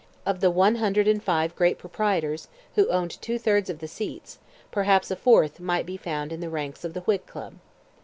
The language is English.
Of the one hundred and five great proprietors, who owned two thirds of the seats, perhaps a fourth might be found in the ranks of the Whig club.